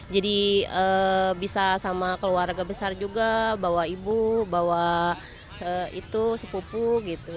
jadi bisa sama keluarga besar juga bawa ibu bawa itu sepupu gitu